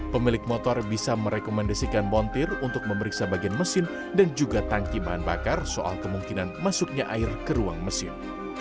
pemilik motor bisa merekomendasikan montir untuk memeriksa bagian mesin dan juga tangki bahan bakar soal kemungkinan masuknya air ke ruang mesin